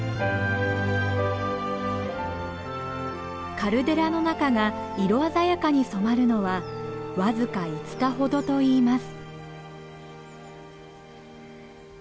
カルデラの中が色鮮やかに染まるのは僅か５日ほどといいます。